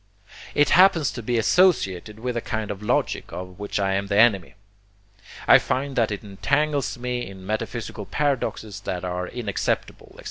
It happens to be associated with a kind of logic of which I am the enemy, I find that it entangles me in metaphysical paradoxes that are inacceptable, etc.